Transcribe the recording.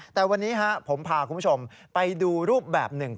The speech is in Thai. แต่วันนี้ผมพาคุณผู้ชมไปดูรูปแบบหนึ่ง